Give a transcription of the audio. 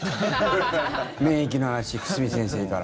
免疫の話、久住先生から。